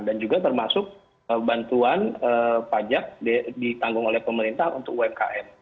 dan juga termasuk bantuan pajak ditanggung oleh pemerintah untuk umkm